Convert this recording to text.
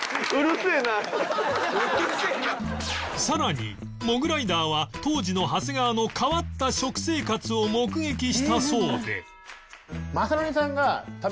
さらにモグライダーは当時の長谷川の変わった食生活を目撃したそうで